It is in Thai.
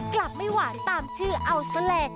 กลับไม่หวานตามชื่อเอาซะเลย